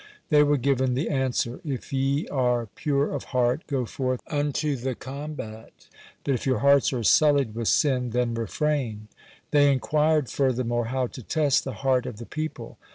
They were given the answer: "If ye are pure of heart, go forth unto the combat; but if your hearts are sullied with sin, then refrain." They inquired furthermore how to test the heart of the people.